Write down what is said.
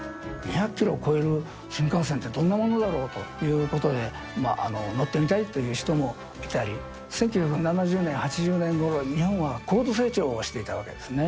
２００キロを超える新幹線ってどんなものだろうということで、乗ってみたいという人もいたり、１９７０年、８０年ごろ、日本は高度成長をしていたわけですね。